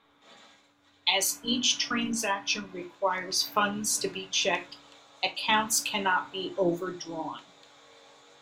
As each transaction requires funds to be checked, accounts cannot be overdrawn.